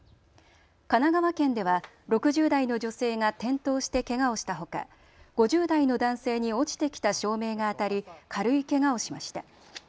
神奈川県では６０代の女性が転倒してけがをしたほか５０代の男性に落ちてきた照明が当たり軽いけがをしました。